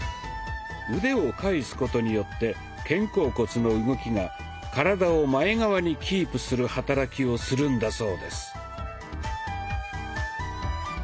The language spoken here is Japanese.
腕を返すことによって肩甲骨の動きが体を前側にキープする働きをするんだそうです。